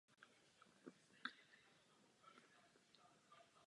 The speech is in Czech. Řez a letní řez je velmi vhodný.